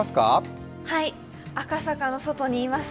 赤坂の外にいます。